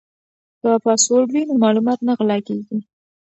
که پاسورډ وي نو معلومات نه غلا کیږي.